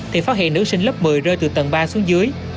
thì phát hiện nữ sinh lớp một mươi rơi từ tầng ba xuống dưới